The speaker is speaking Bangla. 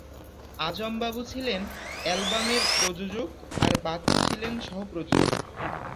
আজম বাবু ছিলেন অ্যালবামের প্রযোজক আর বাচ্চু ছিলেন সহ-প্রযোজক।